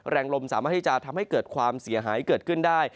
แรงลมสามารถที่จะทำให้เกิดความเสียหายเกิดขึ้นได้